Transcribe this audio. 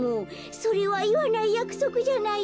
「それはいわないやくそくじゃないの。